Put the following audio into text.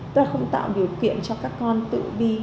tức là không tạo điều kiện cho các con tự đi